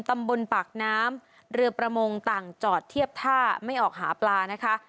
ตำบลปากน้ำเรือประมงต่างจอดเทียบท่าไม่ออกหาปลานะคะ